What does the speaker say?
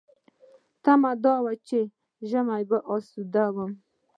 تمه مې دا وه چې په ژمي اسوده یم.